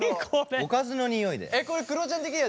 おかずのにおいだよ。